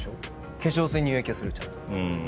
化粧水乳液はするちゃんと。